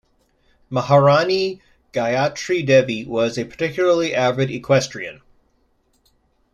Maharani Gayatri Devi was a particularly avid equestrienne.